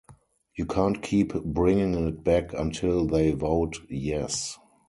You can't keep bringing it back until they vote 'yes'.